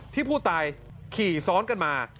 ที่ผู้ตายขี่ซ้อนกันมา